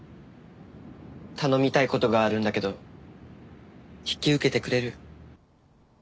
頼みたい事があるんだけど引き受けてくれる？